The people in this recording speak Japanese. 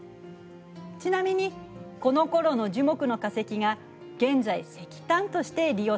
ちなみにこのころの樹木の化石が現在石炭として利用されているのよ。